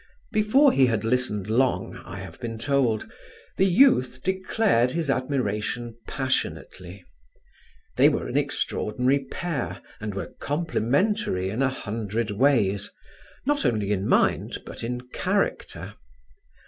Before he had listened long, I have been told, the youth declared his admiration passionately. They were an extraordinary pair and were complementary in a hundred ways, not only in mind, but in character.